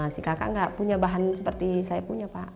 si kakak gak punya bahan seperti saya punya pak